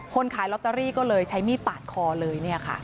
ขายลอตเตอรี่ก็เลยใช้มีดปาดคอเลย